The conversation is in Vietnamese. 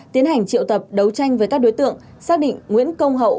tiến hành triệu tập đấu tranh với các đối tượng xác định nguyễn công hậu